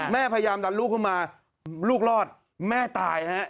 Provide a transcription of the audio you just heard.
พยายามดันลูกเข้ามาลูกรอดแม่ตายฮะ